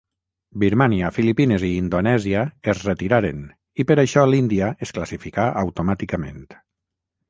Birmània, Filipines i Indonèsia es retiraren i per això l'Índia es classificà automàticament.